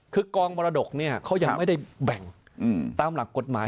คือกองมรดกเนี่ยเขายังไม่ได้แบ่งตามหลักกฎหมาย